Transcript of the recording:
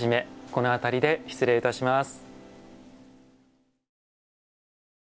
この辺りで失礼いたします。